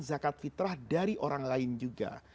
zakat fitrah dari orang lain juga